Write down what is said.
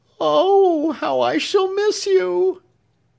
"Oh, how I shall miss you!"